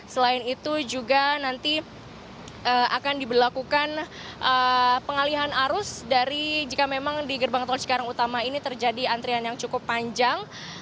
selain itu juga nanti akan diberlakukan pengalihan arus dari jika memang di gerbang tol cikarang utama ini terjadi antrian yang cukup panjang